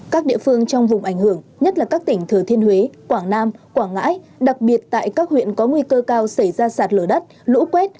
các địa phương trong vùng ảnh hưởng nhất là các tỉnh thừa thiên huế quảng nam quảng ngãi đặc biệt tại các huyện có nguy cơ cao xảy ra sạt lở đất lũ quét